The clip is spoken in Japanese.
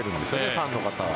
ファンの方は。